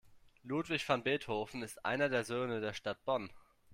Ludwig van Beethoven ist einer der Söhne der Stadt Bonn.